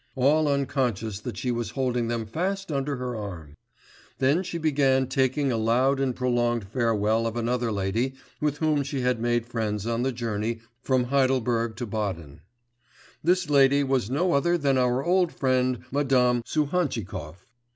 all unconscious that she was holding them fast under her arm; then she began taking a loud and prolonged farewell of another lady with whom she had made friends on the journey from Heidelberg to Baden. This lady was no other than our old friend Madame Suhantchikov.